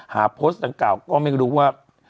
โพสต์ดังกล่าวก็ไม่รู้ว่า